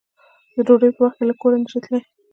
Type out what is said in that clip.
د ډوډۍ په وخت کې له کوره نشې تللی